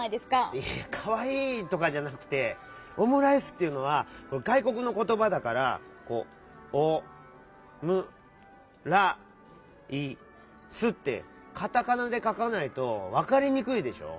いやいや「かわいい」とかじゃなくて「オムライス」っていうのはがいこくのことばだから。ってカタカナでかかないとわかりにくいでしょ？